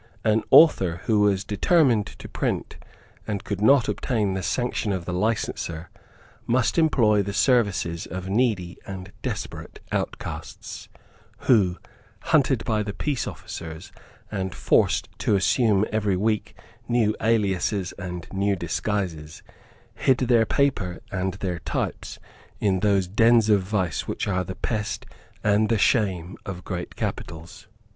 An author who was determined to print, and could not obtain the sanction of the licenser, must employ the services of needy and desperate outcasts, who, hunted by the peace officers, and forced to assume every week new aliases and new disguises, hid their paper and their types in those dens of vice which are the pest and the shame of great capitals.